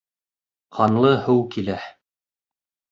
— Ҡанлы һыу килә...